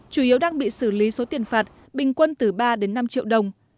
chủ yếu đang bị xử lý số tiền phạt bình quân từ ba đến năm triệu đồng